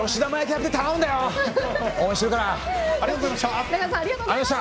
中澤さんありがとうございました。